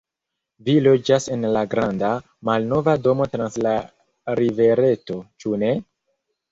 Vi loĝas en la granda, malnova domo trans la rivereto, ĉu ne?